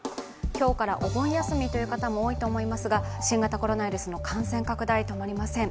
今日からお盆休みという方も多いと思いますが、新型コロナウイルスの感染拡大止まりません。